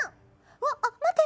あっ待って！